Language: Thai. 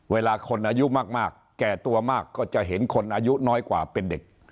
เวลาคนอายุมากแก่ตัวมากก็จะเห็นคนอายุน้อยกว่าเป็นเด็ก